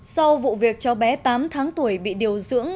sau vụ việc cháu bé tám tháng tuổi bị điều dưỡng